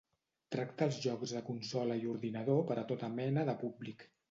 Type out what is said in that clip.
Tracta els jocs de consola i ordinador per a tota mena de públic.